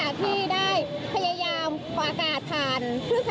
คุณภูริพัฒน์บุญนิน